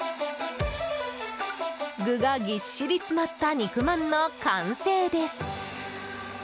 具がぎっしり詰まった肉まんの完成です。